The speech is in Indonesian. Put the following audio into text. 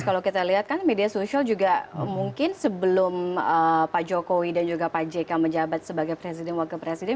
kalau kita lihat kan media sosial juga mungkin sebelum pak jokowi dan juga pak jk menjabat sebagai presiden wakil presiden